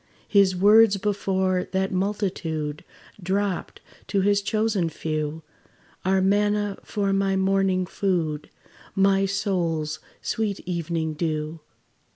His words before that multitude Dropt to his chosen few, Are manna for my morning food, My soul's sweet evening dew.